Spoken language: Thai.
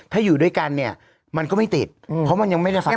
ถ้าอยู่ด้วยกันเนี่ยมันก็ไม่ติดเพราะมันยังไม่ได้ใส่